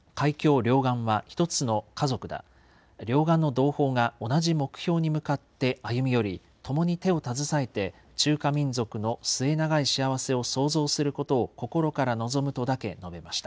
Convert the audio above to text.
両岸の同胞が同じ目標に向かって歩み寄り、共に手を携えて中華民族の末永い幸せを創造することを心から望むとだけ述べました。